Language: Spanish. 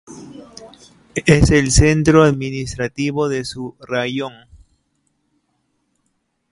Es el centro administrativo de su raión.